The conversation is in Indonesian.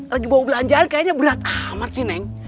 lagi bawa belanjaan kayaknya berat amat sih neng